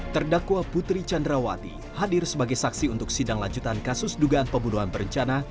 terdakwa putri candrawati hadir sebagai saksi untuk sidang lanjutan kasus dugaan pembunuhan berencana